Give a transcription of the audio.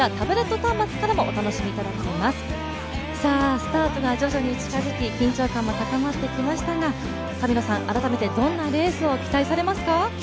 スタートが徐々に近づき緊張感も高まってきましたが改めてどんなレースを期待されますか？